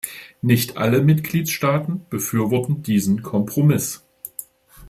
Nicht alle Mitgliedstaaten befürworten diesen "Kompromiss".